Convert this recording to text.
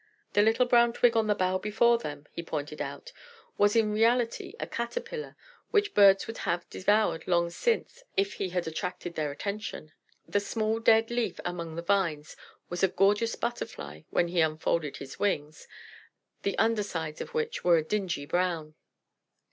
The little brown twig on the bough before them, he pointed out, was in reality a Caterpillar which Birds would have devoured long since if he had attracted their attention. The small dead leaf among the vines was a gorgeous Butterfly when he unfolded his wings, the under sides of which were a dingy brown.